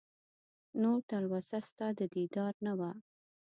نور تلوسه ستا د دیدار نه وه